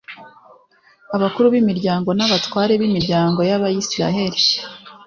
abakuru b'imiryango n'abatware b'imiryango y'abayisraheli